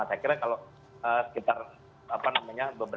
saya kira kalau sekitar beberapa minggu